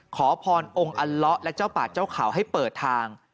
ขอพรองค์อัลละและเจ้าป่าเจ้าเขาให้เปิดทาง